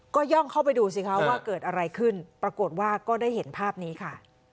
ก็ย่องเข้าไปดูสิคะว่าเกิดอะไรขึ้นปรากฏว่าก็ได้เห็นภาพนี้ค่ะ